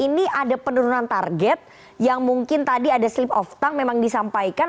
ini ada penurunan target yang mungkin tadi ada slip of tough memang disampaikan